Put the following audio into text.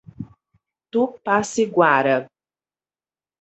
Tupaciguara